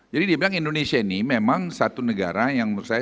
jadi dia bilang indonesia ini memang satu negara yang menurut saya